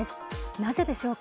なぜでしょうか。